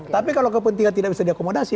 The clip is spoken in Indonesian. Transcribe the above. tapi kalau kepentingan tidak bisa diakomodasi